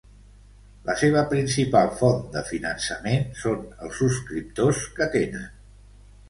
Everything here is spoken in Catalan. La seva principal font de finançament són els subscriptors que tenen.